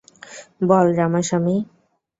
বল, Ramaswami.